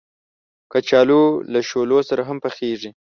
کچالو له شولو سره هم پخېږي